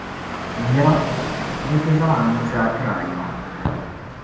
Mira! di ti zaŋ anuzaa tiri ayiŋa.